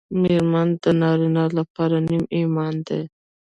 مېرمن د نارینه لپاره نیم ایمان دی